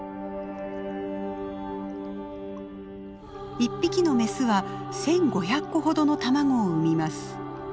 １匹のメスは１，５００個ほどの卵を産みます。